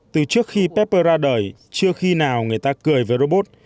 từ trước khi papper ra đời chưa khi nào người ta cười với robot